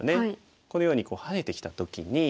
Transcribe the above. このようにハネてきた時に。